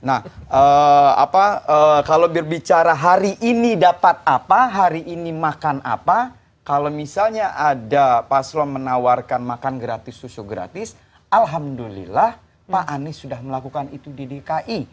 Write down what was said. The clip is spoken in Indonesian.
nah kalau berbicara hari ini dapat apa hari ini makan apa kalau misalnya ada pak slom menawarkan makan gratis susu gratis alhamdulillah pak anies sudah melakukan itu di dki